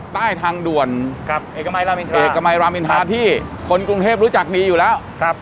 ใต้ทางด่วนเอกมัยรามอินทาที่คนกรุงเทพรู้จักดีอยู่แล้ว